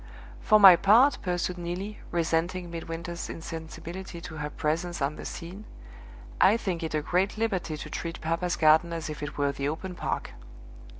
"For my part," pursued Neelie, resenting Midwinter's insensibility to her presence on the scene, "I think it a great liberty to treat papa's garden as if it were the open park!"